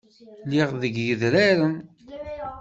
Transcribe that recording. Lliɣ deg yedraren.